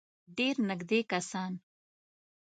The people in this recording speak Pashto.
ډېر نېږدې کسان.